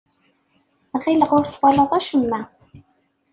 Ɣileɣ ur twalaḍ acemma.